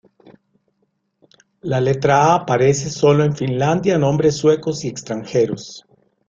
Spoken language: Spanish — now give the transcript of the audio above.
La letra å aparece sólo en Finlandia-nombres suecos y extranjeros.